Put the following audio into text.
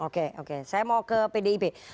oke oke saya mau ke pdip